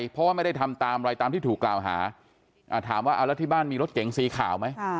เพราะว่าไม่ได้ทำตามอะไรตามที่ถูกกล่าวหาถามว่าเอาแล้วที่บ้านมีรถเก๋งสีขาวไหม